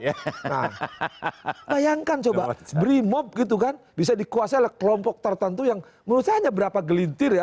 nah bayangkan coba brimob gitu kan bisa dikuasai oleh kelompok tertentu yang menurut saya hanya berapa gelintir ya